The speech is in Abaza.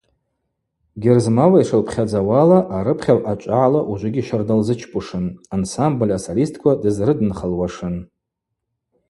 Герзмава йшылпхьадзауала, арыпхьагӏв ъачӏвагӏала ужвыгьи щарда лзычпушын, ансамбль асолистква дызрыдынхалуашын.